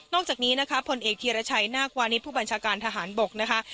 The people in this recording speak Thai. นอกจากนี้นะคะพลเอกเทียรชัยหน้ากว่านิษฐ์ผู้บัญชาการทหารบกนะคะ